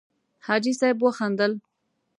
حاجي صیب وخندل.